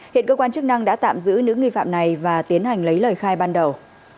hiện cơ quan chức năng đã tạm giữ những nghi phạm này và tiến hành lấy lời khai ban đầu